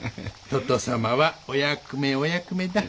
とと様はお役目お役目だ。